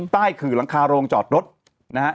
ขื่อหลังคาโรงจอดรถนะฮะ